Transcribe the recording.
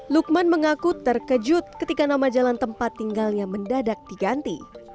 lukman mengaku terkejut ketika nama jalan tempat tinggalnya mendadak diganti